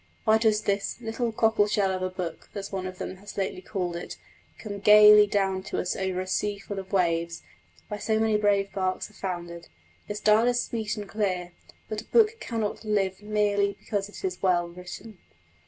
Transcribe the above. Why does this "little cockle shell of a book," as one of them has lately called it, come gaily down to us over a sea full of waves, where so many brave barks have foundered? The style is sweet and clear, but a book cannot live merely because it is well written.